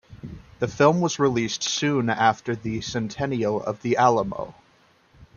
The film was released soon after the centennial of the Alamo.